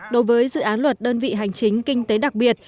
đối với dự án luật đơn vị hành chính kinh tế đặc biệt